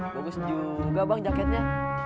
bagus juga bang jaketnya